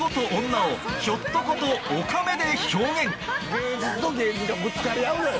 芸術と芸術がぶつかり合うのよ。